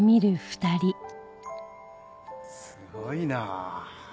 すごいなあ。